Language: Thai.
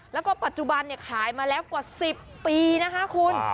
แล้วก็ปัจจุบันขายมาแล้วกว่า๑๐ปีนะคะคุณ